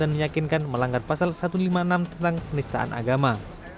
dan menyakinkan melanggar pasal satu ratus lima puluh enam tentang penistaan agama